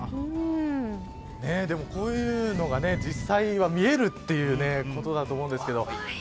でも、こういうのが実際は見えるということだと思うんですけど。